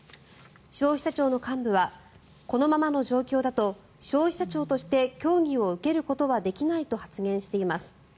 消費者庁の幹部はこのままの状況だと消費者庁として協議を受けることはできないと発言しています。